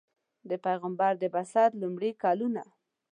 د پیغمبر د بعثت لومړي کلونه.